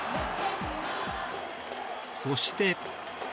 そして。